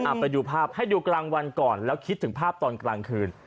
ไปดูภาพให้ดูกลางวันก่อนแล้วคิดถึงภาพตอนกลางคืน